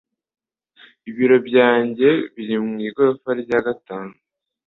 Ibiro byanjye biri mu igorofa rya gatanu.